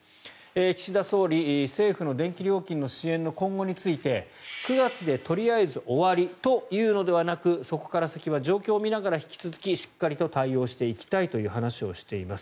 岸田総理、政府の電気料金の支援の今後について９月でとりあえず終わりというのではなくそこから先は状況を見ながら引き続きしっかり対応していきたいという話をしています。